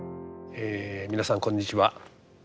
え皆さんこんにちは。